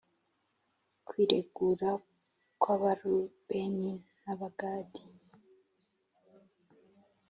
kwiregura kw’abarubeni n’abagadi